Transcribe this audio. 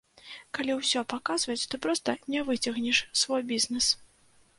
Калі ўсё паказваць, то проста не выцягнеш свой бізнес.